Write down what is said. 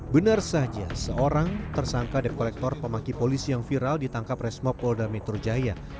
benar saja seorang tersangka dep kolektor pemaki polisi yang viral ditangkap resmo polda metro jaya